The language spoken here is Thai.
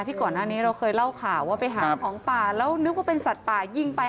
ที่ก่อนหน้านี้เราเคยเล่าข่าวว่าไปหาของป่าแล้วนึกว่าเป็นสัตว์ป่ายิงไป